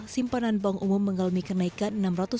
simpanan bank umum mengalami kenaikan